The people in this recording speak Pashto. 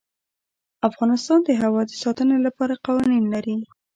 افغانستان د هوا د ساتنې لپاره قوانین لري.